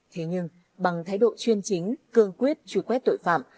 thế nhưng bằng thái độ chuyên chính cương quyết truy quét tội phạm